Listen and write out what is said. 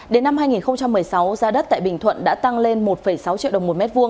đến năm hai nghìn một mươi sáu giá đất tại bình thuận đã tăng lên một sáu triệu đồng một m hai